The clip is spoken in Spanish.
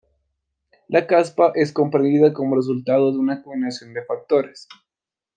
La caspa es comprendida como el resultado de una combinación de factores.